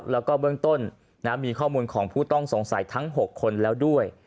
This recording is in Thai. แล้วก็เบื้องต้นมีข้อมูลของผู้ต้องสงสัยทั้ง๖คนแล้วด้วย